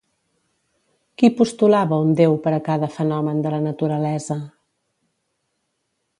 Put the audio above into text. Qui postulava un déu per a cada fenomen de la naturalesa?